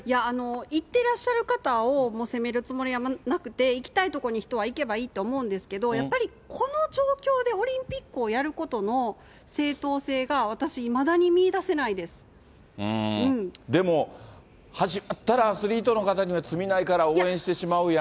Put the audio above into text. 行ってらっしゃる方を責めるつもりはなくて、行きたい所に人は行けばいいと思うんですけれども、やっぱりこの状況でオリンピックをやることの正当性が私いまだにでも、始まったらアスリートの方には罪ないから、応援してしまうやん。